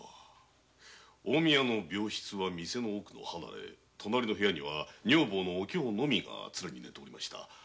近江屋の病室は店の奥の離れ隣の部屋には女房のお京のみが常に寝ておりました。